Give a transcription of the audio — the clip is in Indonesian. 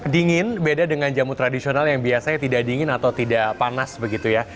dingin beda dengan jamu tradisional yang biasanya tidak dingin atau tidak panas begitu ya